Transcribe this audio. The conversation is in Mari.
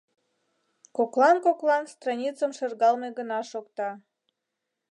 Коклан-коклан страницым шергалме гына шокта.